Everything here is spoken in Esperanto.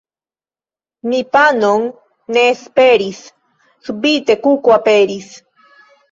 Mi panon ne esperis, subite kuko aperis.